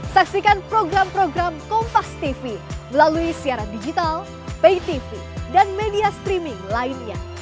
saksikan program program kompastv melalui siaran digital paytv dan media streaming lainnya